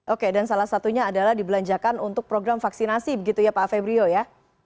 oke dan salah satunya adalah dibelanjakan untuk program vaksinasi begitu ya pak febrio ya